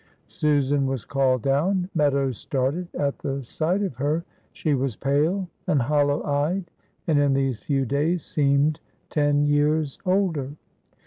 Susan was called down. Meadows started at the sight of her. She was pale and hollow eyed, and in these few days seemed ten years older.